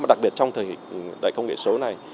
đặc biệt trong thời đại công nghệ số này